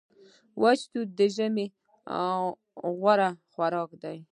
وچ توت د ژمي غوره خوراک دی.